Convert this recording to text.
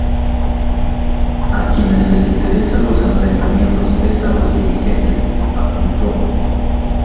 A quienes les interesa los enfrentamientos es a los dirigentes", apuntó.